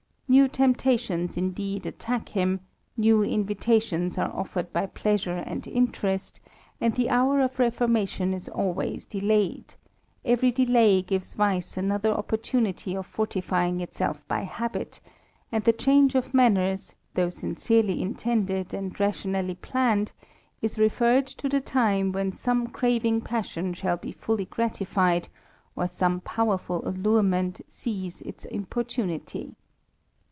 New temptations indeed attack him, Kiew invitations are offered by pleasure and interest, and the lOur of reformation is always delayed ; every delay gives ■ice another opportunity of fortifying itself by habit ; and he change of manners, though sincerely intended and Nationally planned, is referred to the time when some ^asving passion shall be fully gratified, or some powerful allurement cease its importunity.